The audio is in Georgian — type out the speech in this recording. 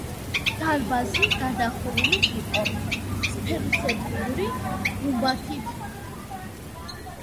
დარბაზი გადახურული იყო სფეროსებური გუმბათით.